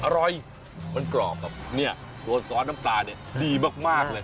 อร่อยมันกรอบกับเนี่ยตัวซอสน้ำปลาเนี่ยดีมากเลย